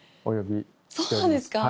そうなんですか？